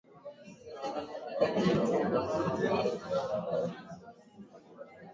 na mawaziri wa ulinzi kutoka nato wanaendelea na mkutano wao